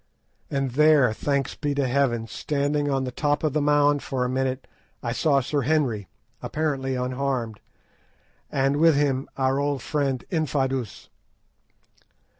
And there, thanks be to Heaven, standing on the top of the mound for a minute, I saw Sir Henry, apparently unharmed, and with him our old friend Infadoos.